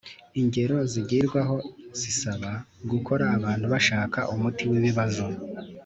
Ingero zigirwaho zisaba gukora abantu bashaka umuti w ibibazo